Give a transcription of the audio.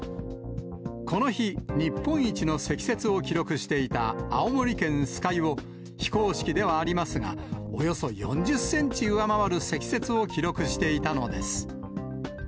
この日、日本一の積雪を記録していた青森県酸ヶ湯を、非公式ではありますが、およそ４０センチ上回る積雪を記録していたのです。